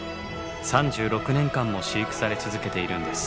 ３６年間も飼育され続けているんです。